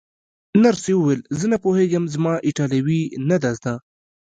نرسې وویل: زه نه پوهېږم، زما ایټالوي نه ده زده.